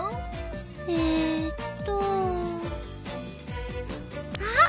えっとあっ！